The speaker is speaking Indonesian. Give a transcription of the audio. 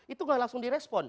itu tidak langsung di respon